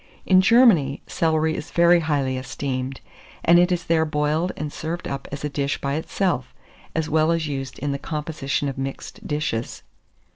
In Germany, celery is very highly esteemed; and it is there boiled and served up as a dish by itself, as well as used in the composition of mixed dishes.